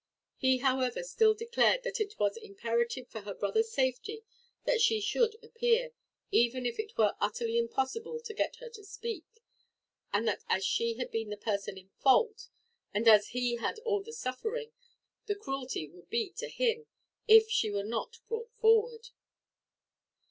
He, however, still declared that it was imperative for her brother's safety that she should appear, even if it were utterly impossible to get her to speak; and that as she had been the person in fault, and has he had had all the suffering, the cruelty would be to him, if she were not brought forward.